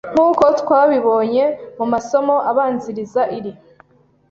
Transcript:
Nk'uko twabibonye mu masomo abanziriza iri,